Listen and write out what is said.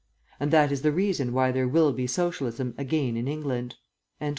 And that is the reason why there will be Socialism again in England."